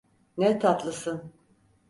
Ne tatlısın.